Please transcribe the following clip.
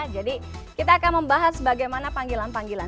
jadi kita akan membahas bagaimana panggilan panggilan